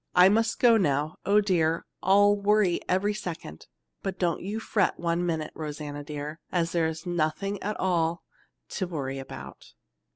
"I must go now. Oh, dear, I'll worry every second: but don't you fret one mite, Rosanna dear, as there is nothing at all to worry about.